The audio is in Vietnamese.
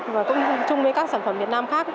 và cũng chung với các sản phẩm việt nam khác